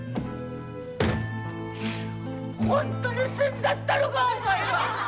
ホントに死んじゃったのかお前は。